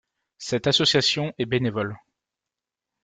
Cette association est bénévole.